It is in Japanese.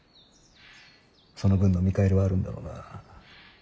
その分の見返りはあるんだろうな。